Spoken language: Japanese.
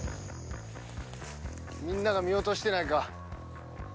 みんなが見落としてないか。